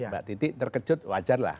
mbak titi terkejut wajar lah